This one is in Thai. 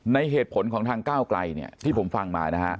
เหตุผลของทางก้าวไกลเนี่ยที่ผมฟังมานะฮะ